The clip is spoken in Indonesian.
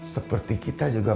seperti kita juga